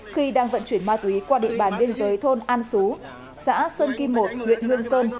khi đang vận chuyển ma túy qua địa bàn biên giới thôn an sú xã sơn kim một huyện hương sơn